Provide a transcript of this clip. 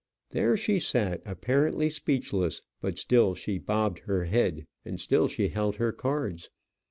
There she sat apparently speechless; but still she bobbed her head, and still she held her cards.